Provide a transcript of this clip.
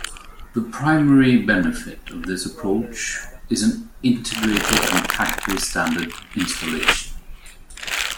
The primary benefit of this approach is an integrated and factory-standard installation.